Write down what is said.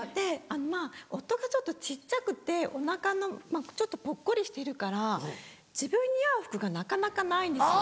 まぁ夫がちょっと小っちゃくてお腹ちょっとぽっこりしてるから自分に合う服がなかなかないんですよ。